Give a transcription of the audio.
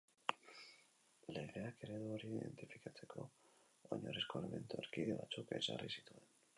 Legeak eredu hori identifikatzeko oinarrizko elementu erkide batzuk ezarri zituen.